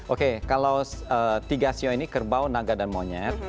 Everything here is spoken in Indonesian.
oke kalau tiga sio ini kerbau naga dan monyet